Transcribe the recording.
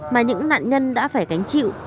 mà những nạn nhân đã phải cánh chịu